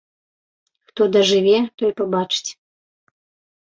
Хто дажыве, той пабачыць.